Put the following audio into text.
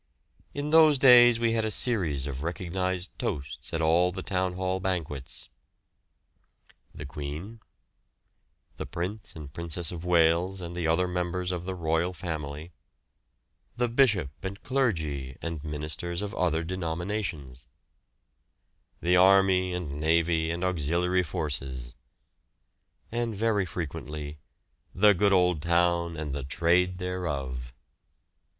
In those days we had a series of recognised toasts at all the Town Hall banquets: "The Queen," "The Prince and Princess of Wales, and the other Members of the Royal Family," "The Bishop and Clergy, and Ministers of other denominations," "The Army and Navy and Auxiliary Forces," and very frequently "The good old town and the trade thereof."